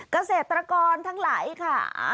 เกษตรกรทั้งหลายค่ะ